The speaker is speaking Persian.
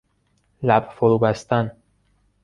لب فروبستن